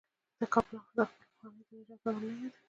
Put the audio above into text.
د کابل حافظه خپل پخوانی د نجات اتل نه یادوي.